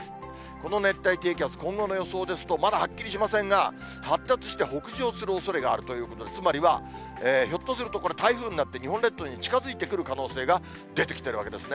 この熱帯低気圧、今後の予想ですと、まだはっきりしませんが、発達して北上するおそれがあるということで、つまりは、ひょっとするとこれ、台風になって、日本列島に近づいてくる可能性が出てきてるわけですね。